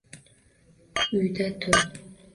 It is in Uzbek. Uyda tur!